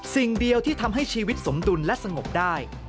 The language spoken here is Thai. สิ่งเดียวที่ทำให้ชีวิตสมดุลและสงบได้